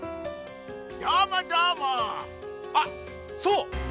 あっそう。